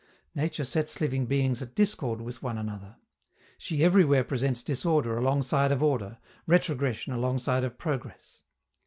Nature sets living beings at discord with one another. She everywhere presents disorder alongside of order, retrogression alongside of progress.